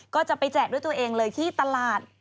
ก็จะไปแจกด้วยตัวเองเลยที่ตลาด